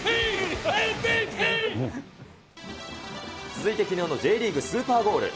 続いてきのうのＪリーグ、スーパーゴール。